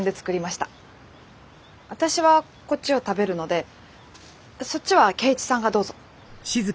私はこっちを食べるのでそっちは圭一さんがどうぞ。